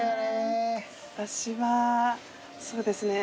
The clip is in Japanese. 私はそうですね